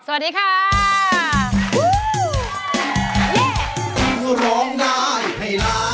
สวัสดีค่ะ